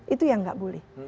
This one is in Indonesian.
itu yang nggak boleh